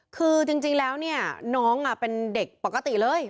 คือจริงแล้วเนี่ยน้องเป็นเด็กปกติเลย